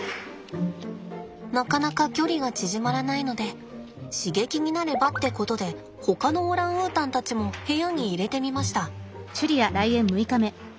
なかなか距離が縮まらないので刺激になればってことでほかのオランウータンたちも部屋に入れてみました。